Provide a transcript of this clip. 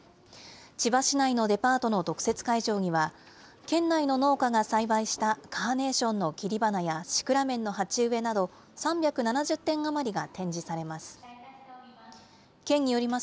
千葉市内のデパートの特設会場には、県内の農家が栽培したカーネーションの切り花や、シクラメンの鉢植えなど３７０点余りが展示されます。